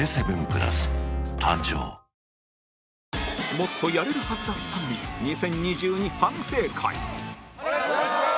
もっとやれるはずだったのに２０２２反省会お願いします！